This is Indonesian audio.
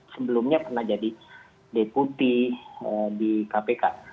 sebelumnya pernah jadi deputi di kpk